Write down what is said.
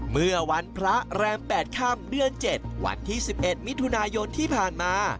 เมื่อวันพระแรมแปดข้ามเดือนเจ็ดวันที่สิบเอ็ดมิถุนายนที่ผ่านมา